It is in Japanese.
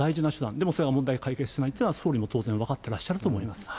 でもそれは問題解決しないというのは、総理も当然分かってらっしゃると思います。